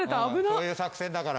そういう作戦だから。